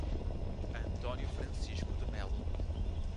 Antônio Francisco de Melo